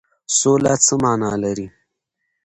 سوله څه معنی لري؟